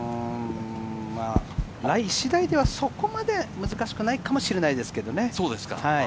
ライ次第ではそこまで難しくないかもしれないですけれどね。